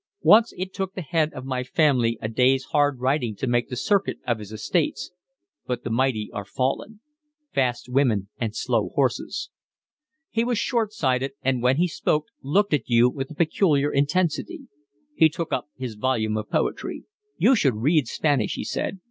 Once it took the head of my family a day's hard riding to make the circuit of his estates, but the mighty are fallen. Fast women and slow horses." He was short sighted and when he spoke looked at you with a peculiar intensity. He took up his volume of poetry. "You should read Spanish," he said.